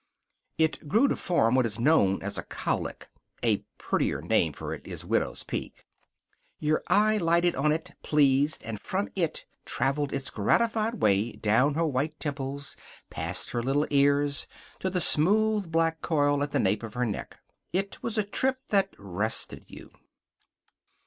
It grew to form what is known as a cowlick. (A prettier name for it is widow's peak.) Your eye lighted on it, pleased, and from it traveled its gratified way down her white temples, past her little ears, to the smooth black coil at the nape of her neck. It was a trip that rested you.